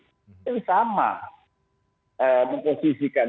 jadi sama memposisikan